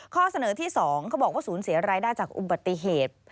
ข้อเสนอที่๒เขาบอกว่าศูนย์เสียรายได้จากอุบัติเหตุ